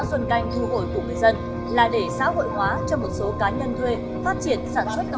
xuân canh thu hồi của người dân là để xã hội hóa cho một số cá nhân thuê phát triển sản xuất